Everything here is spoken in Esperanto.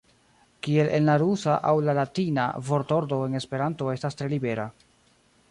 Kiel en la rusa aŭ la latina, vortordo en Esperanto estas tre libera.